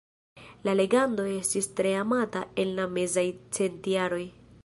La legendo estis tre amata en la mezaj centjaroj.